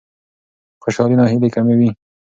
خوشالي ناهیلي کموي.